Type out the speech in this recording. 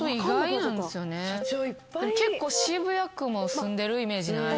でも結構渋谷区も住んでるイメージない？